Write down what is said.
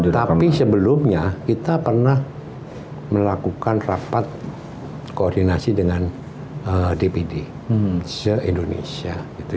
tapi sebelumnya kita pernah melakukan rapat koordinasi dengan dpd se indonesia